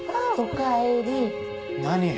何？